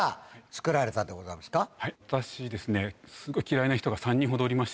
私すごい。